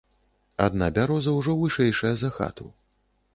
Адна бяроза ўжо вышэйшая за хату.